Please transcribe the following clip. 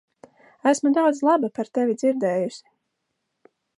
Esmu daudz laba par tevi dzirdējusi.